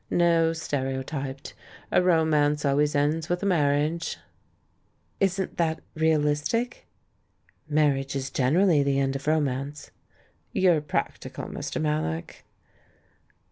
No, stereotyped. A romance always ends with a marriage." "Isn't that realistic? Marriage is generally the end of romance." "You're practical, Mr. Mallock."